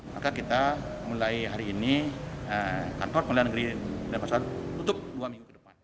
maka kita mulai hari ini kantor pengadilan negeri denpasar tutup dua minggu ke depan